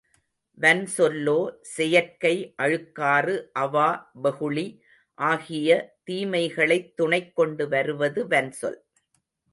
வன்சொல்லோ செயற்கை அழுக்காறு, அவா, வெகுளி ஆகிய தீமைகளைத் துணைக் கொண்டு வருவது வன்சொல்.